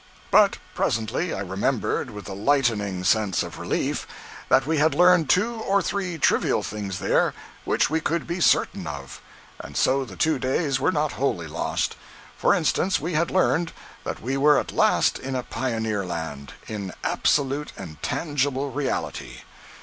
But presently I remembered with a lightening sense of relief that we had learned two or three trivial things there which we could be certain of; and so the two days were not wholly lost. For instance, we had learned that we were at last in a pioneer land, in absolute and tangible reality.